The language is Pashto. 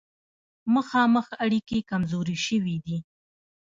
مخامخ اړیکې کمزورې شوې دي.